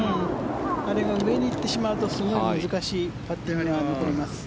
あれが上に行ってしまうとすごい難しいパッティングが残ります。